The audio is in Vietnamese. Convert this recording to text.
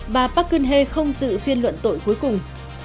bà park geun hye không giữ phiên luận tội cuối cùng